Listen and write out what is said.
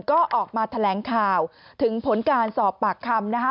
ก็ออกมาแถลงข่าวถึงผลการสอบปากคำนะคะ